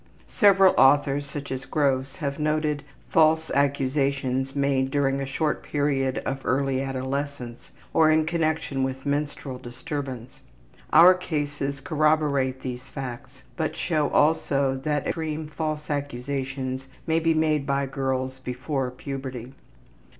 Several authors, such as Gross, have noted false accusations made during a short period of early adolescence, or in connection with menstrual disturbance. Our cases corroborate these facts, but show also that extreme false accusations may be made by girls BEFORE puberty.